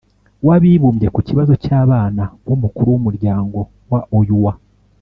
w'abibumbye ku kibazo cy'abana, nk'umukuru w'umuryango wa oua.